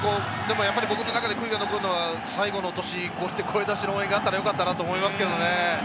僕の中で悔いが残るのは最後の年、こうやって声出しの応援があったらよかったなと思うんですがね。